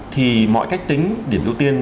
thì mọi cách tính điểm ưu tiên